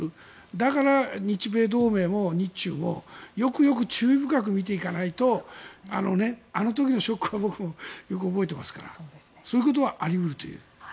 だから、日米同盟も日中もよくよく注意深く見ていかないとあの時のショックは、僕もよく覚えていますからそういうことはあり得るという。